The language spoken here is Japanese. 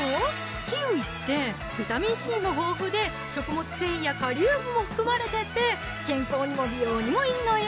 キウイってビタミンＣも豊富で食物繊維やカリウムも含まれてて健康にも美容にもいいのよ！